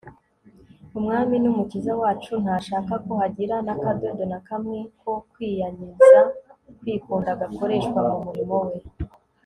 umwami n'umukiza wacu ntashaka ko hagira n'akadodo na kamwe ko kwikanyiza (kwikunda) gakoreshwa mu murimo we